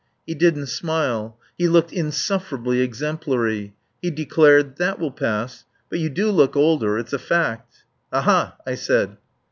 He didn't smile. He looked insufferably exemplary. He declared: "That will pass. But you do look older it's a fact." "Aha!" I said.